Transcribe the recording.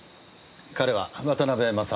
彼は渡辺政雄。